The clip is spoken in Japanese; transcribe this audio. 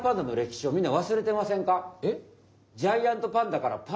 えっ？